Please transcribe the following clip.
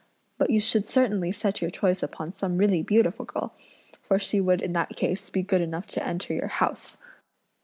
But you should certainly set your choice upon some really beautiful girl, for she would in that case be good enough to enter your house."